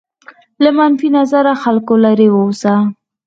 له منفي نظره خلکو لرې واوسه.